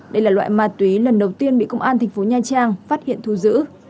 đây là loại ma túy lần đầu tiên bị công an thành phố nha trang phát hiện thu giữ